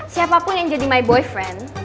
siapapun yang jadi my boyfriend